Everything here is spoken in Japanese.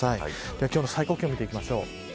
今日の最高気温見ていきましょう。